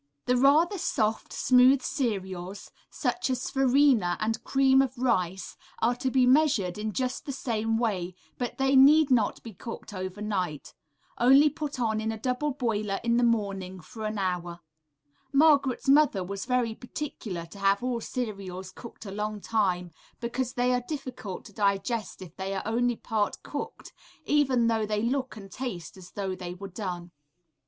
The rather soft, smooth cereals, such as farina and cream of rice, are to be measured in just the same way, but they need not be cooked overnight; only put on in a double boiler in the morning for an hour. Margaret's mother was very particular to have all cereals cooked a long time, because they are difficult to digest if they are only partly cooked, even though they look and taste as though they were done.